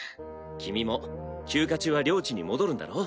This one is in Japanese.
君も休暇中は領地に戻るんだろ？